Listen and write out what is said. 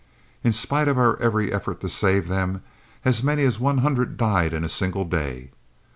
In spite of our every effort to save them, as many as one hundred died in a single day.